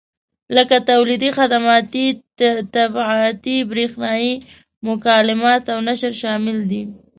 لکه تولیدي، خدماتي، طباعتي، برېښنایي مکالمات او نشر یې شامل دي.